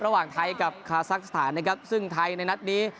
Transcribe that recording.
ระหว่างไทยกับคาซักสถานนะครับซึ่งไทยในนัดนี้